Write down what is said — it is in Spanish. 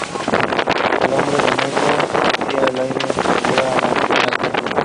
El Hombre de Negro envía a Claire a llevar un mensaje a El Templo.